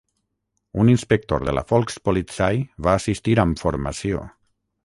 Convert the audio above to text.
Un inspector de la Volkspolizei va assistir amb formació.